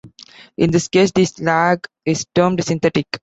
In this case, the slag is termed "synthetic".